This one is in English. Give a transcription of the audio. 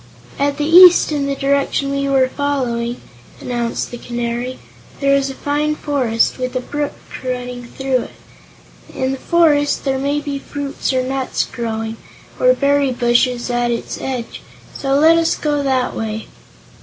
"At the east in the direction we were following," announced the Canary, "there is a fine forest, with a brook running through it. In the forest there may be fruits or nuts growing, or berry bushes at its edge, so let us go that way."